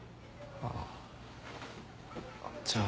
ああじゃあ